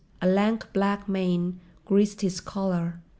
A lank black mane greased his collar.